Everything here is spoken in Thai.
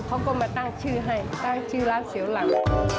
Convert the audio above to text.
เขาก็มาตั้งชื่อให้ตั้งชื่อร้านเสียวหลัง